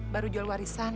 baru jual warisan